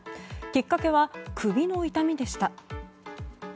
きっかけは首の痛みでした。